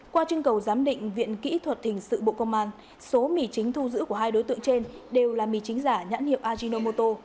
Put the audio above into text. qua chương cầu giám định viện kỹ thuật hình sự bộ công an số mì chính thu giữ của hai đối tượng trên đều là mì chính giả nhãn hiệu ajinomoto